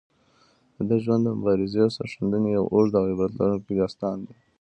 د ده ژوند د مبارزې او سرښندنې یو اوږد او عبرت لرونکی داستان دی.